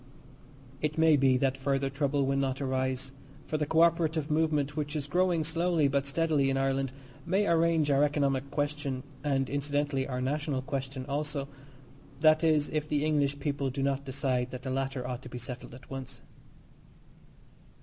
It may be that further trouble will not arise, for the co operative movement, which is growing slowly but steadily in Ireland, may arrange our economic question, and, incidentally, our national question also that is if the English people do not decide that the latter ought to be settled at once.